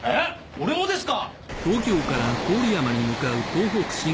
俺もですか！？